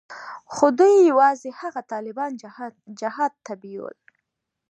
خو دوى يوازې هغه طالبان جهاد ته بيول.